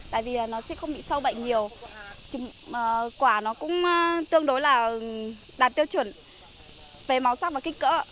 tại vì nó sẽ không bị sâu bệnh nhiều quả nó cũng tương đối là đạt tiêu chuẩn về màu sắc và kích cỡ